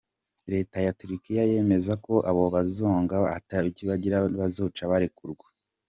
Reta ya Turkia yemeza ko abo bazosanga atakibagira bazoca barekurwa.